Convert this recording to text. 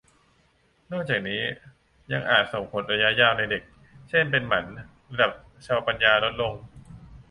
นอกจากนี้ยังอาจส่งผลระยะยาวในเด็ก เช่น เป็นหมัน ระดับเชาว์ปัญญาลดลง